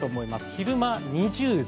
昼間、２０度。